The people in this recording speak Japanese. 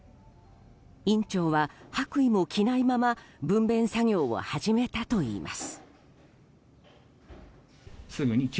院長は白衣も着ないまま分娩作業を始めたといいます。